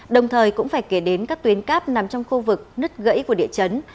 đồng thời cũng phải kể đến các tuyến cáp nằm trong khu vực nứt gãy của địa chấn